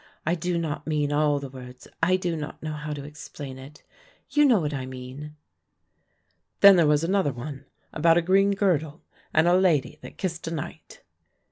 I do not mean all the words; I do not know how to explain it; you know what I mean." "Then there was another one about a green girdle and a lady that kissed a knight."